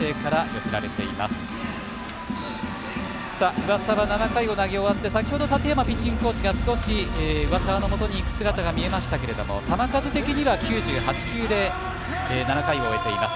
上沢、７回を投げ終わって先ほど、建山ピッチングコーチが少し上沢のもとに行く姿が見えましたけど球数的には９８球で７回を終えています。